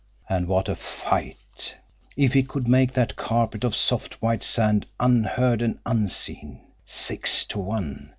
And what a fight, if he could make that carpet of soft, white sand unheard and unseen. Six to one!